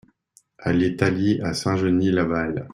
Allée Thalie à Saint-Genis-Laval